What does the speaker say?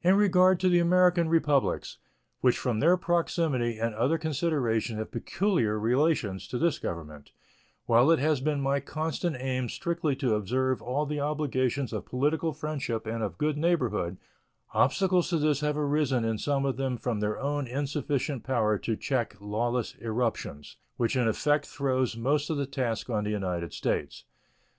In regard to the American Republics, which from their proximity and other considerations have peculiar relations to this Government, while it has been my constant aim strictly to observe all the obligations of political friendship and of good neighborhood, obstacles to this have arisen in some of them from their own insufficient power to cheek lawless irruptions, which in effect throws most of the task on the United States.